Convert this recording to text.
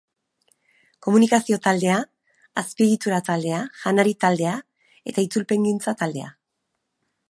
Komunikazio taldea, Azpiegitura taldea, Janari taldea eta Itzulpengintza taldea.